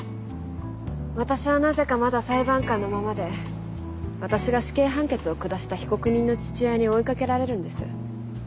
私はなぜかまだ裁判官のままで私が死刑判決を下した被告人の父親に追いかけられるんです。